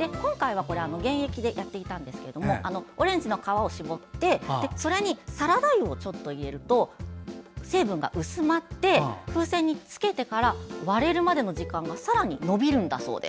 今回は原液でやっていたんですがオレンジの皮を搾ってそれにサラダ油をちょっと入れると成分が薄まって風船につけてから割れるまでの時間がさらに延びるんだそうです。